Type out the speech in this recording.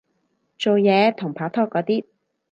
做嘢同拍拖嗰啲